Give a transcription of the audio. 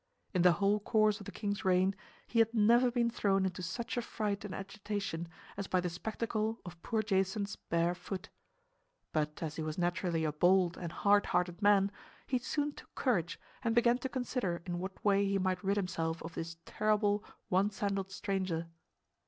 In the whole course of the king's reign he had never been thrown into such a fright and agitation as by the spectacle of poor Jason's bare foot. But as he was naturally a bold and hard hearted man, he soon took courage and began to consider in what way he might rid himself of this terrible one sandaled stranger.